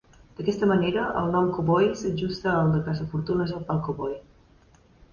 D'aquesta manera, el nom Koboi s'ajusta al de la caçafortunes Opal Koboi.